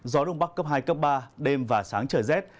gió đông bắc cấp hai cấp ba đêm và sáng trời rét